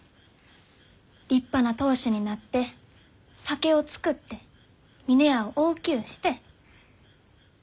立派な当主になって酒を造って峰屋を大きゅうして。